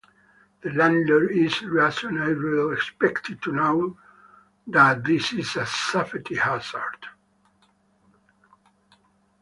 The landlord is reasonably expected to know that this is a safety hazard.